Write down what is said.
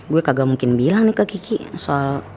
gue kagak mungkin bilang nih ke kiki soal